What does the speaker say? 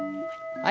はい。